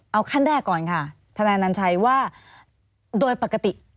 เอาขั้นแรกก่อนค่ะทนายอนัญชัยว่าโดยปกติ